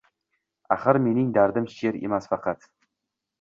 Axir mening dardim Sher emas faqat